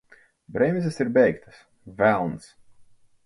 Bremzes ir beigtas! Velns!